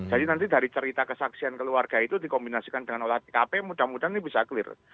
jadi nanti dari cerita kesaksian keluarga itu dikombinasikan dengan olah tkp mudah mudahan ini bisa clear